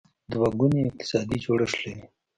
دوه ګونی اقتصادي جوړښت لري.